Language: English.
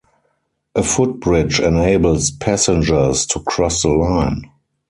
A footbridge enables passengers to cross the line.